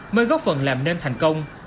mới góp phần làm nên thành công